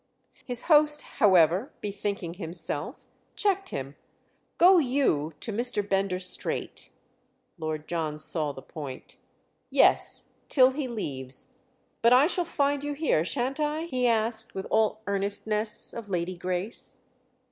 His host, however, bethinking himself, checked him. "Go you to Mr. Bender straight!" Lord John saw the point. "Yes—till he leaves. But I shall find you here, shan't I?" he asked with all earnestness of Lady Grace.